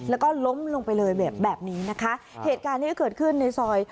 แล้วก็ล้มลงไปเลยแบบแบบนี้นะคะเหตุการณ์นี้ก็เกิดขึ้นในซอย